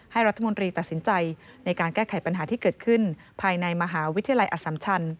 รัฐมนตรีตัดสินใจในการแก้ไขปัญหาที่เกิดขึ้นภายในมหาวิทยาลัยอสัมชัน